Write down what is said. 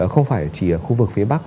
không phải chỉ ở khu vực phía bắc